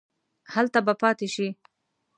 هلته به پاتې شې.